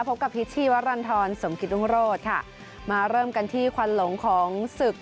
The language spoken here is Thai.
พบกับพิษชีวรรณฑรสมกิตรุงโรธค่ะมาเริ่มกันที่ควันหลงของศึก